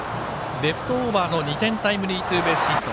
レフトオーバーの２点タイムリーツーベースヒット。